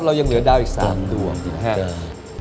เรายังเหลือดาวอีก๓ดวงอีก๕เดือน